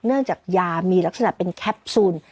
เนื่องจากยามีลักษณะเป็นแคปซูล